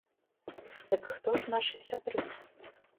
Дык хто ж нашы сябры?